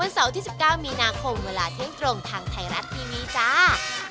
เสาร์ที่๑๙มีนาคมเวลาเที่ยงตรงทางไทยรัฐทีวีจ้า